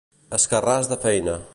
Escarràs de feina.